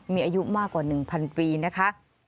มีอายุมากกว่า๑๐๐ปีนะคะ